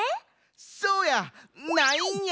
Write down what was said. そうや！ないんや！